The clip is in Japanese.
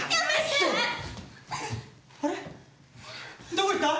どこ行った！？